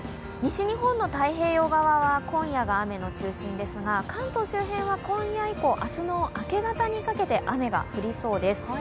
西日本の太平洋側は今夜が雨の中心ですが、関東周辺は今夜以降、明日の明け方にかけて、雨が降りそうです。